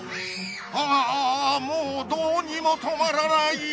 あぁあぁもうどうにも止まらない！